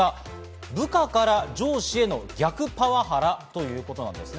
部下から上司への逆パワハラということです。